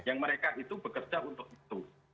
yang mereka itu bekerja untuk itu